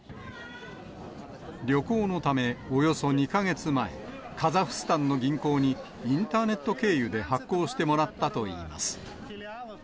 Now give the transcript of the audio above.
旅行のため、およそ２か月前、カザフスタンの銀行に、インターネット経由で発行してもらったといいます。